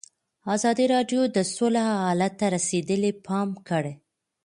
ازادي راډیو د سوله حالت ته رسېدلي پام کړی.